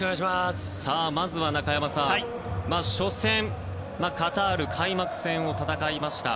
まずは中山さん、初戦カタールと開幕戦を戦いました。